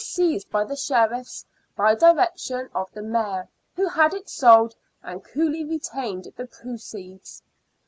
seized by the Sheriffs by direction of the Mayor, who had it sold, and coolly retained the proceeds.